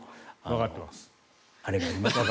わかってます。